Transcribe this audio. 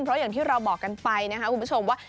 เพราะอย่างที่เราบอกกันไปนะครับคุณผู้ชมว่า